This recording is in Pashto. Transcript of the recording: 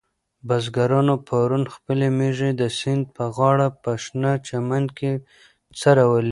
بزګرانو پرون خپلې مېږې د سیند په غاړه په شنه چمن کې څرولې وې.